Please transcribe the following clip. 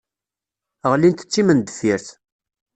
Ɣlint d timendeffirt.